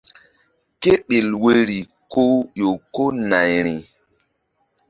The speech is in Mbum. Kéɓel woyri ku ƴo ko nayri.